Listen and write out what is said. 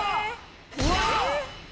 うわっ！